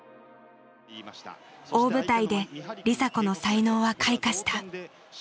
大舞台で梨紗子の才能は開花した。